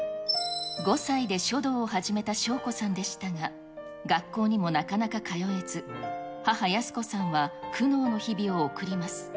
５歳で書道を始めた翔子さんでしたが、学校にもなかなか通えず、母、泰子さんは苦悩の日々を送ります。